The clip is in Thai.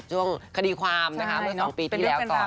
ช่วงคดีความนะคะเมื่อสองปีที่แล้วก่อนใช่เนอะ